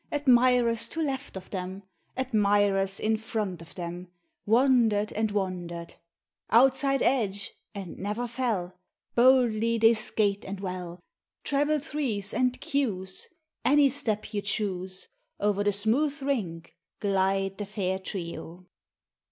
Admirers to left of ihem. Admirers in front of them, Wonder'd and wonder'd. " Outside edge," and never fell. Boldly they skate and vifell, " Treble threes and Q.'s." Any step you choose, — Over the smooth rink Glide the fair trio.